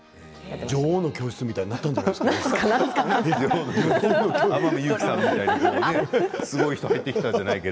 「女王の教室」みたいになっていたんじゃないですか。